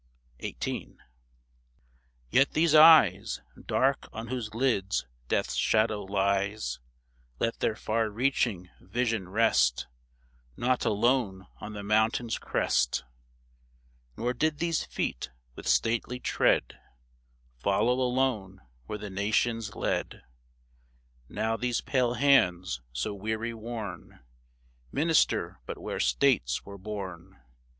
XVIII. Yet these eyes, Dark on whose lids Death's shadow lies, Let their far reaching vision rest Not alone on the mountain's crest ; Nor did these feet with stately tread Follow alone where the Nations led ; Nor these pale hands, so weary worn, Minister but where States were born